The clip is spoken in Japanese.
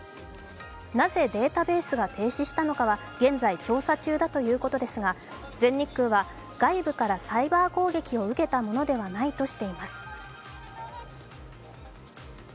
なぜデータベースが停止したのかは現在、調査中だということですが全日空は、外部からサイバー攻撃を受けたものではないとしています。